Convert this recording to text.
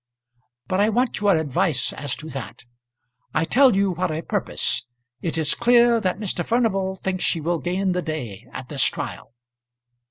"But I want your advice as to that. I tell you what I purpose. It is clear that Mr. Furnival thinks she will gain the day at this trial."